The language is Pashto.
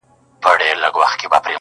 زه د پېړیو ګیله منو پرهارونو آواز -